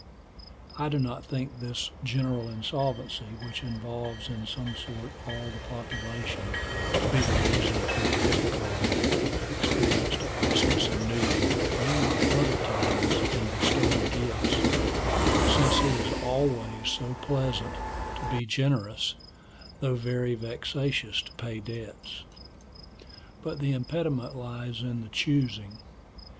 I do not think this general insolvency, which involves in some sort all the population, to be the reason of the difficulty experienced at Christman and New Year, and other times, in bestowing gifts; since it is always so pleasant to be generous, though very vexatious to pay debts. But the impediment lies in the choosing.